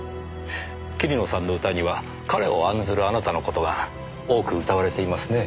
桐野さんの歌には彼を案ずるあなたの事が多く歌われていますね。